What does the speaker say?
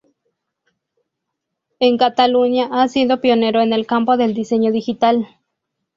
En Cataluña ha sido pionero en el campo del diseño digital.